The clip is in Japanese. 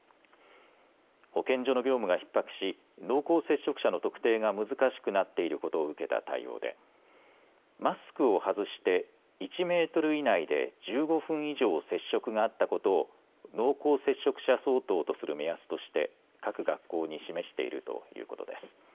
保健所の業務がひっ迫し濃厚接触者の特定が難しくなっていることを受けた対応でマスクを外して１メートル以内で１５分以上接触があったことを濃厚接触者相当とする目安として各学校に示しているということです。